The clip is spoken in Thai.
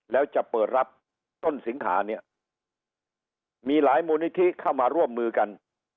แล้วจะเปิดรับต้นสิงหาเนี่ยมีหลายมูลนิธิเข้ามาร่วมมือกัน